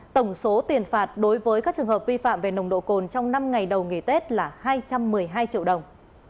tổng số tiền phạt đối với các trường hợp vi phạm về nồng độ cồn trong năm ngày đầu nghỉ tết là hai trăm một mươi hai triệu đồng